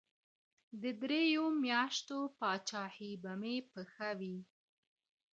د دريو مياشتو پاچهي به مي په ښه وي